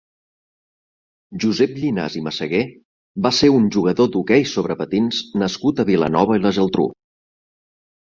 Josep Llinàs i Messeguer va ser un jugador d'hoquei sobre patins nascut a Vilanova i la Geltrú.